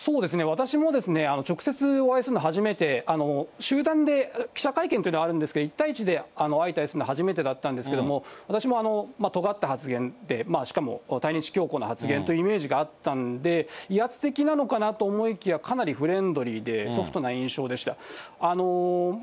私も直接お会いするの初めて、集団で、記者会見というのはあるんですけれども、１対１で相対するのは初めてだったんですけど、私もとがった発言で、しかも対日強硬な発言というイメージがあったんで、威圧的なのかなと思いきや、かなりフレンドリーでソフトな印象でした。